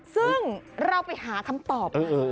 ซึ่งเราไปหาคำตอบมา